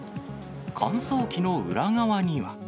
乾燥機の裏側には。